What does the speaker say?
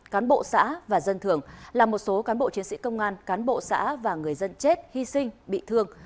cán bộ xã và dân thường là một số cán bộ chiến sĩ công an cán bộ xã và người dân chết hy sinh bị thương